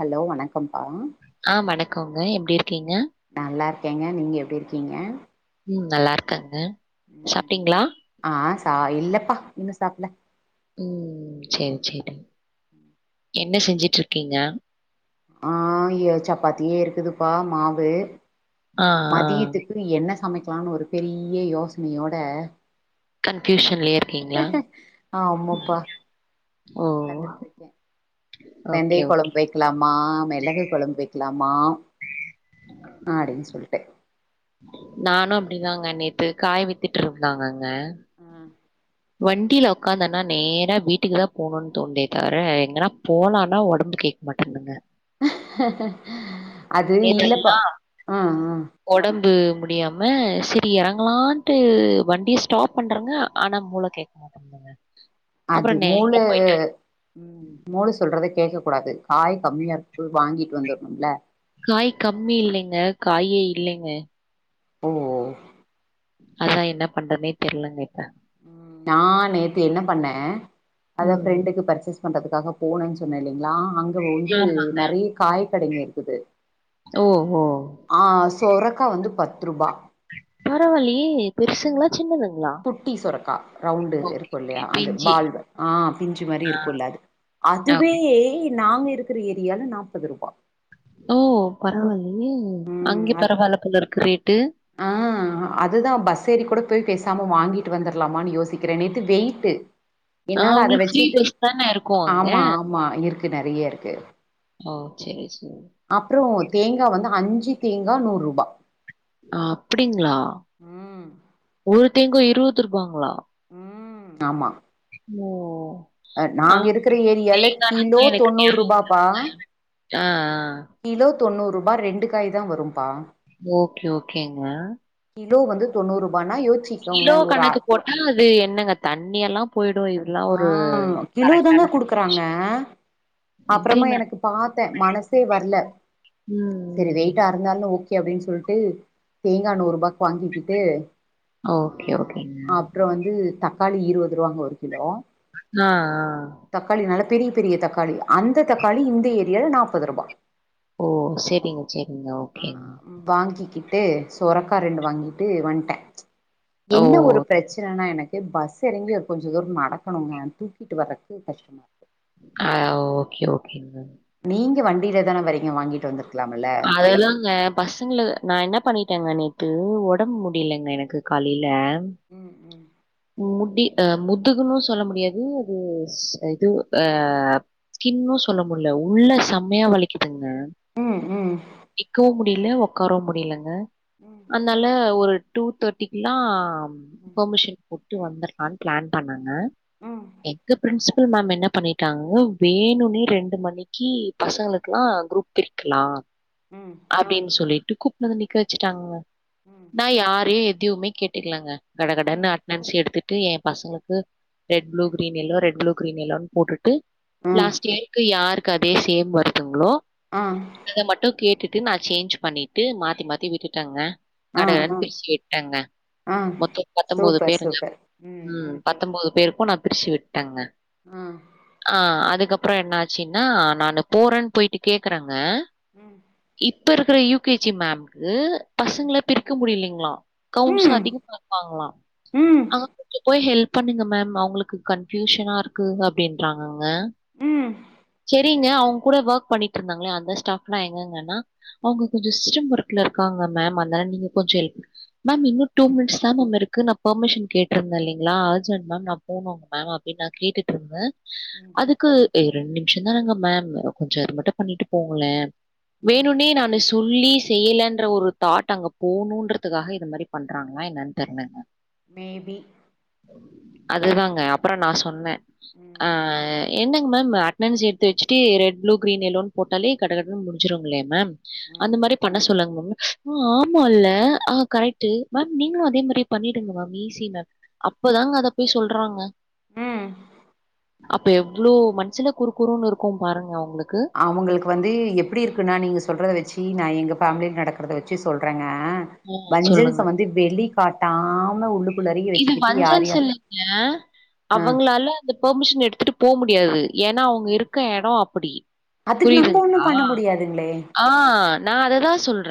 Hello வணக்கம்ப்பா க்கோங்க எப்டி இருக்கீங்க நல்லாருக்கேங்க நீங்க எப்டி இருக்கீங்க ம் நல்லாருக்கங்க ம் ஆ சா இல்லப்பா இன்னு சாப்பல ம் சேரி சேரி என்ன செஞ்சுட்ருக்கீங்க ஆ ய சப்பாத்தியே இருக்குதுப்பா மாவு ஆ, ஆ. மதியத்துக்கு என்ன சமைக்கலாம்னு ஒரு பெரிய யோசனையோட கன்ஃபியூஷன்லே ஆமாப்பா ஓ! உக்காந்துட்ருக்கே ஓகே, வெந்தய ஓகே. கொழம்பு வைக்கலாமா மெளகு கொழம்பு வைக்கலாமா அ அப்டின்னு சொல்ட்டு நானு அப்டிதாங்க நேத்து காய் வித்துட்ருந்தாங்க அ வண்டில உக்க்காந்தனா நேரா வீட்டுக்கு தா போகணும்னு தோனுதே தவிர எங்கன்னா போலாம்னா ஒடம்பு கேட்க மாட்டேந்துங்க அது இல்லப்பா நேத்தெல்லாம் ஆ ஆ ஒடம்பு முடியாம சரி எறங்கலாம்ட்டு வண்டியை ஸ்டாப் பண்றங்க ஆனா மூள கேக்க ஓகே முந்துங்க அது மூள ம் மூள சொல்றதக் கேக்க கூடாது காய் கம்மியா இருக்கு வாங்கிட்டு வந்துரணும்ல காய் கம்மி இல்லைங்க காயே இல்லைங்க ஓ ஓ அதா என்ன பண்றனே தெரியலங்க இப்ப நா நேத்து என்ன பண்ணே அத ம். ஃப்ரெண்டுக்கு பர்ச்சேஸ் பண்றதுக்காக போகணும்ன்னு சொன்னேல யா அங்க வந்து ஆமா. நெறைய காய் கடைங்க இருக்குது ஓஹோ பத்ரூபா பரவால்லயே! பெருசுங்களா? சின்னதுங்களா? குட்டி சுரக்கா ரவுண்டு ஓகே, இருக்கு ஓகே. இல்லையா அது பிஞ்சி. பால் ஆ பிஞ்சு மாரி ஆ இருக்கும்ல அது அதுவே ஓகே. நாங்க இருக்கிற ஏரியால நாற்பது ரூபா ஓ பரவாயில்லையே ம் அங்கே அ பரவாயில்ல போலருக்கு ரேட்டு ஆ அதுதா பஸ் ஏறி கூட போய் பேசாம வாங்கிட்டு வந்துடலாமான்னு யோசிக்கிறே நேத்து வெயிட்டு ஆ என்னால அத உங்களுக்கு ஃப்ரீ வச்சிட்டு பஸ் தானே இருக்கும் அங்க? ஆமா ஆமா இருக்கு நெறையருக்கு ஆ செரி செரி தேங்கா வந்து அஞ்சி தேங்கா நூறூபா அப்டிங்ளா ஒரு தேங்கா இருவத் ரூபாங்ளா ம் ஆமா ஓ அஹ் அ நாங்க இருக்கிற ஏரியால தேங்கானதா கிலோ எனக்கு தொண்ணூறு நியாபகோ ரூபாப்பா வருது ஆ ஆ கிலோ தொண்ணூறூபா ரெண்டு காய் தா வரும்பா ஓகே ஓகேங்க கிலோ வந்து தொண்ணூறு ரூபானா கிலோ யோசிச்சுக்கோங்களே ஒரு ஆ கணக்கு போட்டா அது என்னங்க தண்ணி எல்லா போய்டு ஆ கிலோ தாங்க குடுக்கறாங்க விஷயம். இது அப்றமா என்ன எனக்கு பாத்தே மனசே வர்ல ம், செரி ம். வெயிட்டா இருந்தாலு ஓகே அப்டின் சொல்ட்டு தேங்கா நூறுபாக் வாங்கிக்கிட்டு அ ஓகே, ஓகேங்க. அப்றோ வந்து தக்காளி இருவது ரூவாங்க ஒரு கிலோ ஆ ஆ தக்காளி நல்ல பெரிய பெரிய தக்காளி அந்த தக்காளி இந்த ஏரியால நாப்பது ரூபா ஓ செரிங்க ஆ வாங்கிக் கிட்டு சொரக்கா ரெண்டு வாங்கிட்டு வன்ட்டே ஓ! என்ன ஒரு பிரச்சனனா எனக் டே பஸ் எறங்கி ஒரு கொஞ்சோ தூரோ நடக்கணுங்க தூக்கிட்டு வறத்க்கு கஷ்டமா இருக்கு ஆ ஓகே ஓகேங்க நீங்க வண்டில தான வரீங்க வாங்கிட் வந்துரு அதெல்லங்க பசங்கள நா என்ன பண்ணிடேங்க நேத்து ஒடம் முடியலங்க எனக்கு காலில ம் ம் முட்டி அ முதுகுன்னு சொல்ல முடியாது அது ஸ் இது அ ஸ்கின்னு சொல்ல முட்ல உள்ள செம்மையா வலிக்கிதுங் க ம் நிக்கவு முடியில ஒக்காரவு முடியலங்க ம் அதனால ஒரு டூ தேட்டிக்கில்லா பேமிஷன் வுட்டு வந்தர்லான் பிளான் பண்ணங்க ம் எங்க பிரின்ஸ் பில் மேம் என்ன பண்ணிட்டாங்க வேனுனே ரெண்டு மணிக்கு பசங்களுக்லா குரூப் பிரிக்கலா ம் ம் அப்டின் சொல்லிட்டு கூப்டுனு வந்து நிக்க வச்சுட்டாங்க நா யாரே எதுவுமே கேட்டுக்லங்க கட ம் ம் கடன்னு எடுத்துட்டு எ பசங்ளுக்கு ரெட் ப்ளூ ம் green yellow red blue green எல்லோன் போட்டுட்டு ம் லாஸ்ட் இயருக்கு யாருக்கு அதே சேம் வருதுங்ளோ ஆ அத மட்டு கேட்டு டு நா சேஞ்ச் பண்ணிட்டு மாத்தி மாத்தி விட்டுடங்க ஆ கட ஆ கடன் பேசி விட்டங்க ஆ மொத்தோ பத்தொம்போது பேருங்க ம் பத்தொம்போது பேரு போனா பிரிச்சி விட்டங்க ஆ ஆ அதுக் கப்றோ என்னாச்சினா நா போறன் போய்ட்டு கேக்கறங்க ம் இப்ப இருக்கிற யூ கே ஜி மேம்கு ம் பசங்கள பிரிக்க முடியலைங்ளா கவுண்ஸ் ம் அதிக பாக்வாங்ளா ம் போய் ஹெல்ப் பண்ணுங்க மேம் அவுங்களுக்கு கன்ஃபியூஷனாருக்கு அப்டின்றாங்க க ம் செரி ங்க அவுங் கூட வேக் பண்ணிட்ருந்தாங்கள அந்த ஸ்டாப்லா எங்கங்கனா அவுங்க கொஞ்சோ சிஸ்டம் ஒர்க்ல இருக்காங்க மே ம் அத்னால நீங்க கொஞ்சோ ஹெல்ப் மேம் இன்னு டூ மின்ஸ் தா மேம் இருக்கு நா பேமிஷன் கேட்டிருந்த இல்லைங்ளா அர்ஜென்ட் மேம் நா போனுங் மேம் அப்டின் நா கேட்டுட்ருந்த ம் அதுக்கு ஏ ரெண்டு நிமிஷ தானங்க மேம் கொஞ்சோ இது மட்டு பண்ணிட்டு போங்கள ம் வேணுன்னே நானு சொல்லி செய்யலன்ற ஒரு தாட் அங்க போணுன்றதுக்காக இது மாரி பண்றாங்களா என்னன்னு தெர்லங்க மே பி அதுதாங்க அப்பறோ நா சொன்ன ம் ஆ ம் என்னங்க மேம் அட்னன்ஸ் எடுத்து வச்சுட்டு ரெட் ப்ளூ கிரீன் எல்லோன்னு போட்டாலே கட கடனு முடிஞ்சுருங்களே மேம் ம் அந்த மாரி பண்ண சொல்லுங்க மேம் ஆ ஆமா இல்ல ஆ கரெக்ட்டு மேம் நீங்களு அதே மாரி பண்ணிட் டுங்க மேம் ஈஸி மேம் அப்பதாங்க அத போய் சொல்றாங்க ம் அப்ப எவ்ளோ மன்சுல குறு குறுன்னு இருக்கு பாருங்க அவுங்களுக் அவுங்களுக்கு வந்து எப்டி இருக்குன்னா நீங்க சொல்றத வச்சி நா எங்க ஃபேமில நடக்கறத வச்சி சொல்றங்க ஆ ஆ சொல்லுங்க. வஞ்சன்ஸ வந்து வெளி காட்டாம உள்ளுக்குள்ளாறயே வச்சுட்டு யார் யார் ஆ ஆ அவங்களால அந்த பெர்மிஷன் எடுத்துட்டு போ முடியாது ஏனா அவங்க இருக்க எடோ அப்பிடி அதுக்கு நம்ம ஒண்ணு புரியுதுங்களா பண்ண முடியாதுங்களே ஆ நா அததா சொல்ற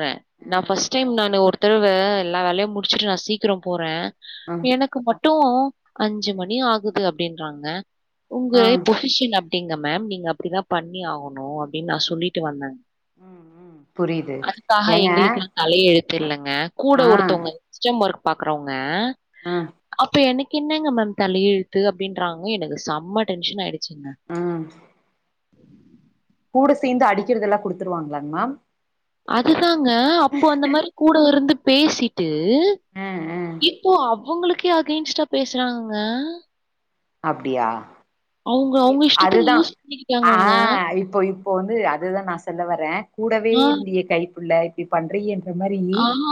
ஆ நா ஃபஸ்ட் டைம் நானு ஒரு தரவ எல்லா வேலையு முடிச்சிட்டு நா சீக்கிரோ போற எனக்கு மட்டு அஞ்சு மணி ஆகுது அப்டின்றாங்க உங்க ஆ ம். பொசிஷன் அப் டிங்க மேம் நீங்க அப்டிதா பண்ணி ஆகணு அப்டின்னு நா சொல்லிட்டு வந்த ம். புரியுது அதுக்காக ஏங்க எங்களுக்கெல்லா தலையெழுத் தெர்லங்க கூட ஆ ஒருத்தவங்க சிஸ்டம் ஒர்க் பாக்குறவங்க ஆ அப்ப எனக் என்னங்க மேம் தலயெழுத்து அப்டின்றாங்க எனக்கு செம்ம டென்ஷன் ஆயிடு ம் கூட சேந்து அடிக்கிறதெல்லா குடுத்துருவாங்களாங்க மேம் அதுதாங்க அப்போ அந்த மாரி கூட இருந்து பேசிட்டு டு ம். ம். இப்போ அவுங்களுக்கே அகெயின்ஸ்ட்டா பேசுறாங்கங்க அப்டியா அவுங்க எ அவுங்க இஷ்டத்துக்கு அதுதா யூஸ் பண்ணி ஆ இப்போ இப்போ வந்து அதுதா நா சொல்ல வர கூடவே ஆ, இருந்தியே கை புள்ள இப்டி பண்றீயே ஆஹ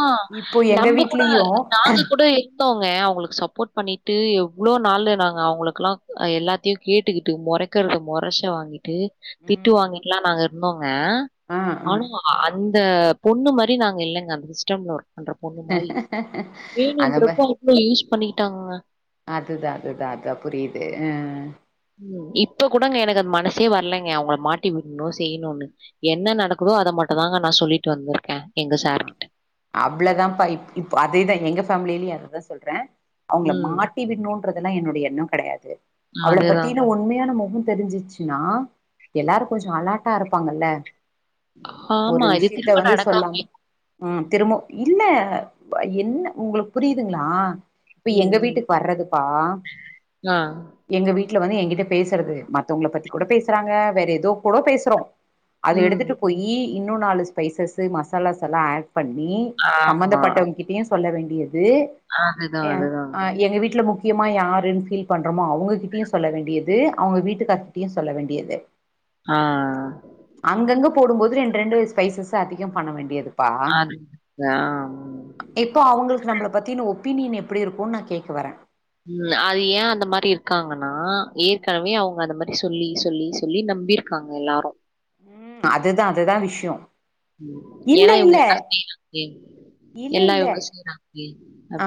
நம்ப கூட வீட்லயு நாங்க கூட இருந்தோங்க அவுங்களுக்கு சப்போட் பண்ணிட் ட்டு எவ்ளோ நாளு நாங்க அவுங்களுக்கெல்லா எல்லாத்தையு கேட்டுக்கிட்டு மொறைக்கறத மொறச்ச வாங்கிட் டு திட்டு ம் வாங்கிட்டுலா நாங்க இருந்தோங்க ஆ ஆ ஆனா அந்த பொண்ணு மாரி நாங்க இல்லங்க அந்த சிஸ்டம்ல ஒர்க் பண்ற பொண்ணு மாரி அந்த மா வேணுன்றப்போ அவுங்க யூஸ் பண்ணிக்கிட்டாங்கங்க அதுதா அதுதா அதுதா புரியுது ஆ ம் இப்ப கூடங்க எனக்கு அது மனசே வர்லைங்க அவுங்கள மாட்டி விட்ணு செய்யணுன்னு என்ன நடக்கணு ஓ அத மட்டுந்தாங்க நா சொல்லிட்டு வந்துருக்க ஆ அவ்ளதாப்பா இப் இப்ப அதேதா எங்க ஃபேமிலிலயு அததா சொல்ற அவுங்கள ம். மாட்டி விட்ணுன்றதெல்லா என்னோடைய எண்ணோ கெடையாது அவள அதுதான். பத்தின உண்மையான முகம் தெரிஞ்சிச்சுன்னா எல்லாரு கொஞ்சோ அலாட்டா இருப்பாங்கல்ல ஒரு ஆமா. இது விஷயத்த திரும்ப வந்து சொல்லாங்க நடக்காமயே ம் திரும்போ இல்ல என்ன உங்களுக்கு புரியுதுங்களா இப்ப ம், எங்க ம். வீட்டுக்கு வர்றதுப்பா ஆ. எங்க வீ ட்ல வந்து எங்கிட்ட பேசுறது மத்தவங்கள பத்தி கூட பேசுறாங்க வேற எதோ கூட பேசுறோ அத ம். எடுத்துட்டு போயி இன்னு நாலு ஸ்பைசஸ் மசாலாஸ் எல்லா ஆட் பண்ணி ஆமா. சம்பந்தப்பட்டவங்கக்கிட்டயு சொல்ல வேண்டிய து அதுதான், ஏ அதுதான். ஆ எங்க வீட்ல முக் கியமா யாருன்னு ஃபீல் பண்றோமோ அவங்கக்கிட்டயு சொல்ல வேண்டியது அவுங்க வீட்டுக்கார்கிட்டயு சொல்ல வேண்டியது ஆ போடுபோது ரெண்டு ரெண்டு ஸ்பைசஸ் ‌‌‌‌ அதிகம் பண்ண வேண்டியது பா அது ஆ. இப்போ அவுங்களுக்கு நம்மள பத்தின ஒப்பீனியன் எப்டி இருக்கும்னு நா கேக்க வறே ம் அது ஏ அந்த மாரி இருக்காங்கன்னா ஏற்கனவே அவுங்க அந்த மாரி சொல்லி சொல்லி சொல்லி நம்பியிருக்காங்க எல்லாரு ம் அதுதா அதுதா விஷியோ ம் ஏனா இவுங்க எல்லா செய்யலா ஏங் இல்ல எல்லா இல்ல இவுங்க செய்யறாங் ஆ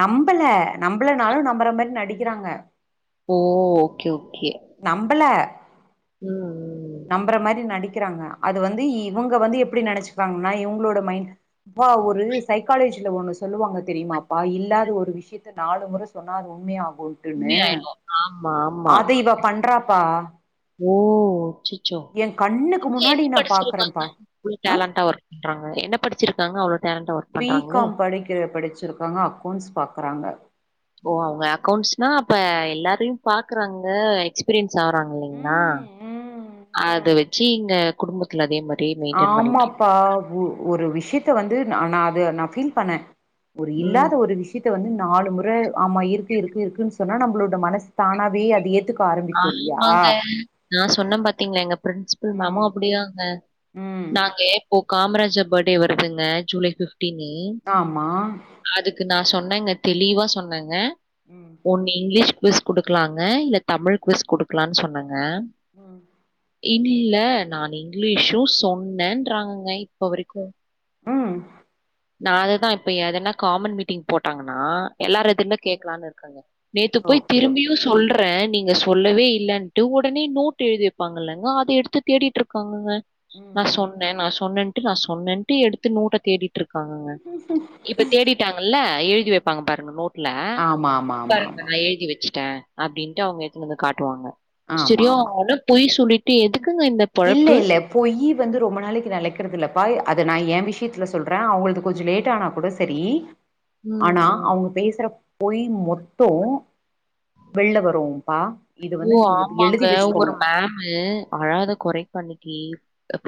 நம்பள நம்பளனாலு நம்பற மாரி நடிக்கிறாங்க ஓ ஓகே ஓகே. நம்பல ம் ம் நம்புற மாரி நடிக்கிறாங்க அது வந்து இவுங்க வந்து எப்டி நெனைச்சுக்குவாங்கனா இவுங்களோட மைண்ட் இப்பா ஒரு சைக்காலஜி ஒண்ணு சொல்லுவாங்க தெரியுமாப்பா இல்லாத ஒரு விஷியத்த நாலு முற சொன்னா அது உண்மையா ஆகு போட்டுன்னு உண்மையாயிடும். ஆமா, ஆமா. அவ ‌ இவ பண்றாப்பா ஓ அச்சச்சோ எ கண்ணுக்கு இங்க முன்னாடி எதே நா படிச்சிருக்காங்க பாக்குறேன்ப்பா இவ்ளோ ஆ டேலண்டா ஒர்க் பண்றாங்க என்ன படிச்சிருக்காங்க அவ்ளோ டேலண்டா ஒர்க் பி பண்றாங்களே! காம் படிக்க ‌ படிச்சிருக்காங்க அக்கௌன்ஸ் பாக்குறாங்க ஓ அவுங்க அக்கௌண்ட்ஸ்னா அப்ப எல்லாரையு பாக்குறாங்க எக்ஸ்பீரியன் சாறாங்க இல்லிங்களா ம் ம் அத வெச்சி இங்க குடும்பத்துல அதே மாரி மெயின்டெயின் பண்ணிட்டு இருக் ஆமாப்பா ஒரு விஷியத்த வந்து நா அது நா ஃபீல் பண்ணே ஒரு ம். இல்லாத ஒரு விஷியத்த வந்து நாளு ‌முற ஆமா இருக்கு இருக்கு இருக்குன்னு ‌ சொன்னா நம்மளோட மனசு தானாவே அது ஏத்துக் ஆமாங்க நா சொன்ன பாத்தீங்களா எங்க பிரின்சிபல் ம் மேமும் அப்டிதாங்க ம் நாங்கே இப்போ காமராஜர் பர்த்டே வருதுங்க ஜுலை பிஃப் டீனி ஆமா அப்டின்னு அதுக்கு நா சொன்னேங்க தெளிவா சொன்னங்க ம் ஒண்ணு இங்கிலீஷ் குவிஸ் குடுக்கலாங்க இல்ல தமிழ் குவிஸ் குடுக்கலான்னு சொன்னங்க ஆ ம் இல்ல நானு இங்கிலீஷு சொன்னேன்றாங்கங்க இப்ப வரைக்கு உம் நா அதுதா இப்ப எதுனா காமன் மீட்டிங் போட்டாங்கன்னா எல்லார் ம். எதுர்ல கேக்கலாம்னு இருக்கேங்க நேத்து போய் ஓகே ஓகே திரும்பியு சொல்றே நீங்க நீங்க சொல்லவே இல்லன்ட்டு ஒடனே நோட் எழுதி வெப்பாங்கலங்க அத ‌ எடுத்து தேடிட்டு இருக்காங்கங்க நா ம் சொன்ன நா சொன்னேன்ட்டு நா சொன்னேன்ட்டு எடுத்து நோட்ட தேடிட்டு இருக் காங்கங்க ம். இப்ப தேடிட்டாங்கல்ல எழுதி வைப்பாங்க பாருங்க நோட்டு்ல ஆமா ஆமா ஆமா ஆமா பண்ணத ஏழுதி வெச்சி டே அப்டின்ட்டு அவுங்க எடுத்துனு வந்து காட்டுவாங்க ஆமா ஆமா சரியன பொய் சொல்லிட்டு எது இல்ல இல்ல பொய்யி வந்து ரொம்ப நாளைக்கு நெலைக்கறது இல்ல பா நா‌‌‌‌ என் விஷியத்துல சொல்றே அவுங்களுது கொஞ்சோ லேட் ஆனா கூட செரி ம், ஆனா ம். அவுங்க பேசுற பொய் மொத்தோ வெள்ள வரு ஐயோ ஆமாங்க ஒரு மேமு அழாத கொறைப்பணிக்கி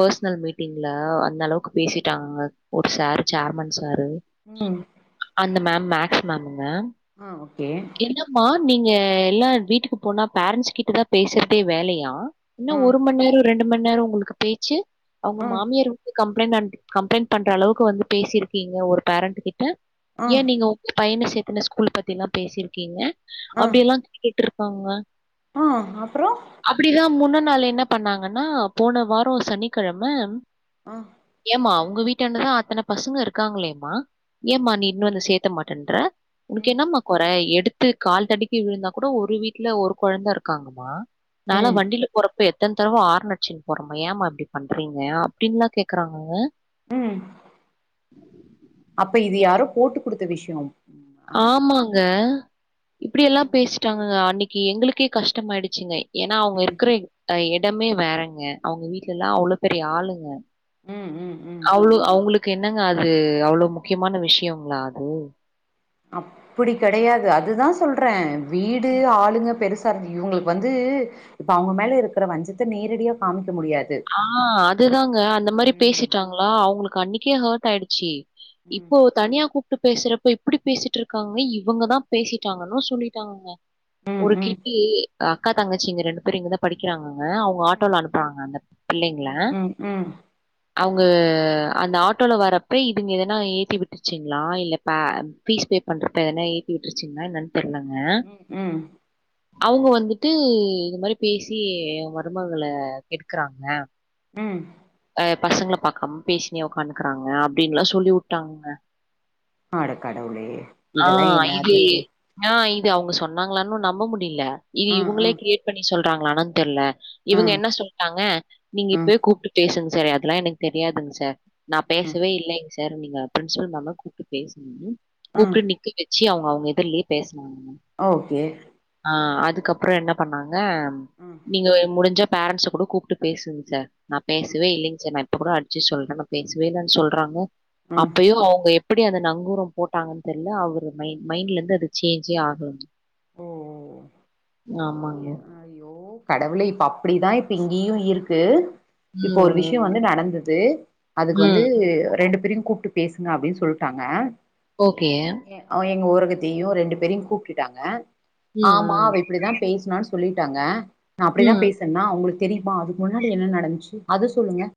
பர்ஸ்னல் மீட்டிங்ல அந்த அளவுக்கு பேசிட்டாங்கங்க ஒரு சார் சேர்மன் சார் ஆ ம் அந்த மேம் மேக்ஸ் மேமுங்க ஆ ஒக் என்னம்மா நீங்க எல்லா வீட்டுக்கு போனா பேரன்ஸ் கிட்ட தா பேசறதே வேலையா என்ன ஆ ஒரு மணி நேரோ ரெண்டு மணி நேரோ உங்குளுக்கு பேச்சு அவுங்க ஆ மாமியார் வந்து கம் பிளைன் கம்ளைண்ட் பண்ற அளவுக்கு வந்து பேசிருக்கீங்க ஒரு பேரண்ட் கிட்ட ஆ ஏன்‌ நீங்க உங்ளுக் பையண சேத்துன ஸ்கூல் பத்தி எல்லா பேசிருக்கீங்க ஆ அப்டியெல்லா கேட்டுருக்காங்க ஆ அப்றோ அப்டிதா முன்னன் நாள் என்ன பண்ணாங்கன்னா போன வாரோ சனிக்கெழம ஆ ஏமா உங்க வீட்டன்டதா அத்தன பசங்க இருக்காங்களேம்மா ம் ஏமா நீ இன்னு வந்து சேத்த மாட்டேன்ற ம் உன்க்கென்னம்மா கொற எடுத்து கால் தடிக்கி விழுந்தா கூட ஒரு வீட்ல ஒரு கொழந்த இருக்காங்கம்மா நாலா ம் வண்டில போறப்ப எத் தன் தர்வ ஆரன் அடிச்சுன் போறேமா ஏமா இப்டி பண்றீங்க அப்டின்லா கேக்குறாங்கங்க ம் அப்ப இது யாரோ போட்டு குடுத்த விஷ்யோ ஆமாங்க இப்டி எல்லா ம் பேசிட்டாங்க அன்னிக் எங்களுக்கே கஷ்டம் ஆயிடுச்சுங்க ஏனா அவுங்க ம் இருக்கிறேன் ஆ எத் டமே வேறங்க அவுங்க வீட்லலா அவ்ளோ பெரிய ஆளுங்க ம் ம் ம் அவ்ளோ அவங்களுக்கு என்னங்க அது அவ்ளோ முக்கியமான விஷ்யங்களா அது அப்பிடி கெடையாது அதுதா சொல்றே வீடு ஆளுங்க பெருஸ் பார் இவுங்குளுக்கு வந்து இப்ப அவுங்க மேல இருக்கற வஞ்சத்த நேரடியா காம் ஆ அதுதாங்க அந்த மாரி ம் பேசிட்டாங்களா அவங்குளுக்கு அன்னிக்கே ஹர்ட் ஆயிடுச்சி ம் இப்போ தனியா கூப் ட்டு பேசுறப்ப எப்டி பேசிட்ருக்காங்க இவங்கதா பேசிட்டாங்கன்னு சொல்லிட்டாங்கங்க ம் ஒரு ம் கிட்டி அக்கா தங்கச்சிங்க ரெண்டு பேர் இங்கதா படிக்கிறாங்க ஆ அவுங்க ம் ஆட்டோல அனுப்புவாங்க அந்தட் ம் ம் ம் அவுங்க அந்த ஆட்டோல வர்றப்ப இதுங்க எதனா ஏத்தி விட்டுச்சிங்ளா இல்ல பே பீஸ் பே பண்றப்ப எதனா ஏத்தி விட்ருச்சீங்னா என்னன் தெர்லங்க ம் ம் அவுங்க வந்துட்டு இது மாரி பேசி மருமகள கெடுக்றாங்க ம் அ பசங்கள பாக்காம் பேஷினே ஒக்காணுக்கறாங்க அப்டின்லா சொல்லி வுட்டாங்க அட கடவுளே ஆ இதெல்லா இது என்னாத்தது நா இ து அவுங்க சொன்னாங்களானு நம்ப முடில இல்லி ஆ ஆ இவுங்களே கிரியேட் பண்ணி சொல்றாங்களான் னு தெர்லே ஆ இவங்க என்ன சொல்ட்டாங்க நீங்க ஆ ம் இப்பவே கூப்ட்டு பேசுங்க சார் அதெல்லா எனக்கு தெரியாதுங் சார் நா பேசவே இல்லைங் சார் நீங்க பிரின்சிபல் மேம கூப்ட்டு பேசுங்கனு ம் கூப்ட்டு நிக்க வச் சி அவுங்க அவுங்க எதுர்லயே பேசுனாங்க ஓகே ஆ அதுக்கப்புற என்ன பண்ணாங் னா ம் நீங்க முடிஞ்சா பேரண்ட்ஸ கூட கூப்ட்டு பேசுங்க சார் நா ம் பேசவே இல்லிங் சார் நா இப் ப கூட அச்சி சொல்றே பேசவே இல்லன் சொல்றாங்க ம் அப்பயு அவுங்க எப் ப்டி அந்த நங்கூரோ போட்டாங்கன் தெர்ல அவரு மைண் மைண்ட்லேந்து அது சேஞ்சே ஆகுலங் ஓ ஆமாங்க. கடவுளே இப்ப அப்டிதா இப்ப இங்கேயு இருக்கு இப்ப ஒரு ம், விஷ்யோ வந்து நடந்தது அதுக்கு வந்து ம். ரெண்டு பேரியு கூப்ட்டு பேசுங்க அப்டின் சொல்ட்டாங்க ஓகே. எ அவ் எங்க ஒரு த்தையு ரெண்டு பேரையு கூப்டுட்டாங்க ம், ஆமா அவ ம். இப்டிதா பேசுனான் சொல்லிட்டாங்க நா அப்டிதா ம். பேசன்னா உங்ளுக் தெரியுமா அதுக்கு முன்னாடி என்ன நடந்த்ச்சு அத சொல்லுங்க